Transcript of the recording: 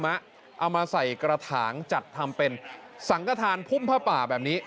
เอามาใส่กระถางจัดทำเป็นสังกฐานพุ่มผ้าป่าแบบนี้